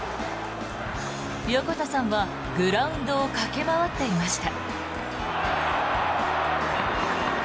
横田さんはグラウンドを駆け回っていました。